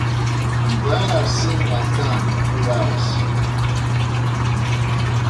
‘I’m glad I’ve seen that done,’ thought Alice.